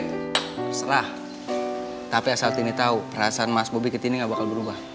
terserah tapi asal tini tahu perasaan mas bobby ke tini gak bakal berubah